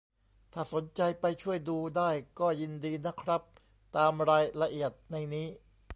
ถ้าสนใจไปช่วยดูได้ก็ยินดีนะครับ ตามรายละเอียดในนี้